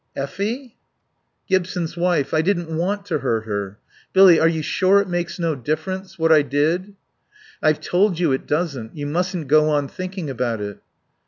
"Effie?" "Gibson's wife. I didn't want to hurt her.... Billy, are you sure it makes no difference? What I did." "I've told you it doesn't.... You mustn't go on thinking about it."